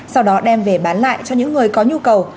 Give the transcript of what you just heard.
sau đó đem về bán lại cho những người có nhu cầu